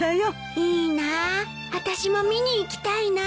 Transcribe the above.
いいな私も見に行きたいな。